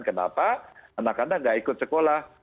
kenapa anak anak tidak ikut sekolah